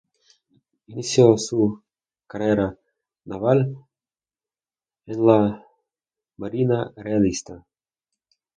Inició su carrera naval en la marina realista.